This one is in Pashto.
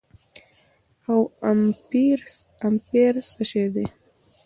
او امپير څه شي دي